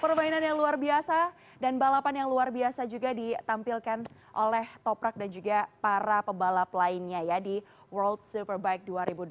permainan yang luar biasa dan balapan yang luar biasa juga ditampilkan oleh toprak dan juga para pebalap lainnya ya di world superbike dua ribu dua puluh